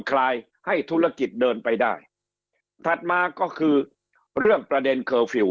คลายให้ธุรกิจเดินไปได้ถัดมาก็คือเรื่องประเด็นเคอร์ฟิลล